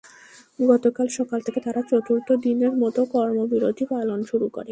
গতকাল সকাল থেকে তারা চতুর্থ দিনের মতো কর্মবিরতি পালন শুরু করে।